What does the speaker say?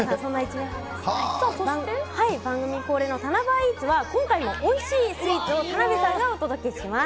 番組恒例のタナバーイーツは、今回もおいしいスイーツを、たなべさんがお届けします。